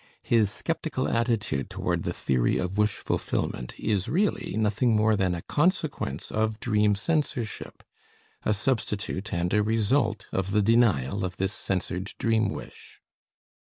His sceptical attitude toward the theory of wish fulfillment is really nothing more than a consequence of dream censorship, a substitute and a result of the denial of this censored dream wish.